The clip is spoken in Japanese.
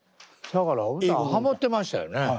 だから歌ハモってましたよね。